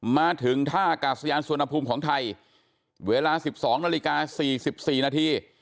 มาถึงท่ากาศยานสวนภูมิของไทยเวลา๑๒นาฬิกา๔๔นาที